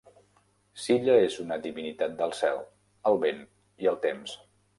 Silla és una divinitat del cel, el vent i el temps.